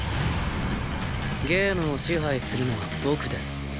ゲームを支配するのは僕です。